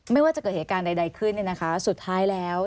ไม่ว่าจะเกิดเหตุการณ์ใดขึ้นสุดท้ายแล้ว